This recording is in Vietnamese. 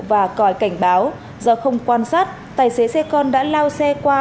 và còi cảnh báo do không quan sát tài xế xe con đã lao xe qua